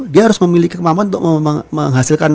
dia harus memiliki kemampuan untuk menghasilkan